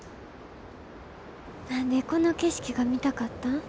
何でこの景色が見たかったん？